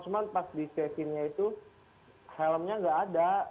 cuma pas di stasiunnya itu helmnya enggak ada